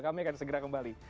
kami akan segera kembali